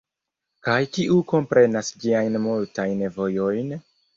Kaj kiu komprenas ĝiajn multajn vojojn?